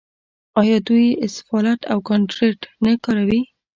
آیا دوی اسفالټ او کانکریټ نه کاروي؟